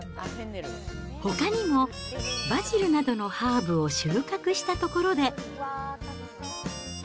ほかにもバジルなどのハーブを収穫したところで。